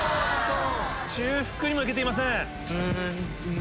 中腹にも行けていません。